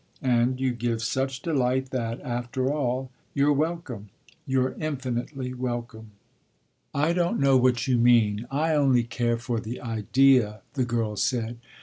And you give such delight that, after all, you're welcome you're infinitely welcome!" "I don't know what you mean. I only care for the idea," the girl said.